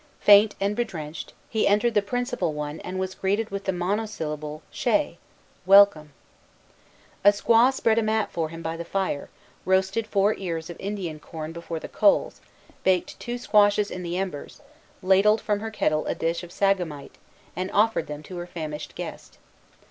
Faint and bedrenched, he entered the principal one, and was greeted with the monosyllable "Shay!" "Welcome!" A squaw spread a mat for him by the fire, roasted four ears of Indian corn before the coals, baked two squashes in the embers, ladled from her kettle a dish of sagamite, and offered them to her famished guest.